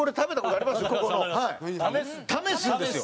試すんですよ。